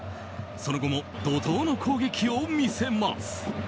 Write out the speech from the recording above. その後も怒涛の攻撃を見せます。